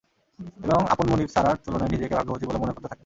এবং আপন মনিব সারাহর তুলনায় নিজেকে ভাগ্যবতী বলে মনে করতে থাকেন।